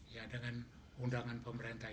ya dengan undangan pemerintah